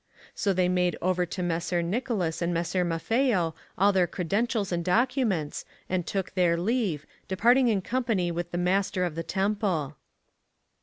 So they made over to Messer Nicolas and Messer Maffeo all their credentials and documents, and. took their leave, departing in company with the Master of the Temple."